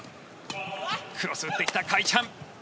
クロスを打ってきたカ・イチハン。